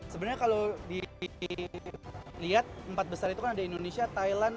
sebenarnya kalau dilihat empat besar itu kan ada indonesia thailand